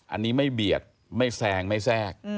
อันนี้ไม่เบียดไม่แซงไม่แทรก